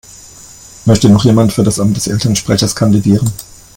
Möchte noch jemand für das Amt des Elternsprechers kandidieren?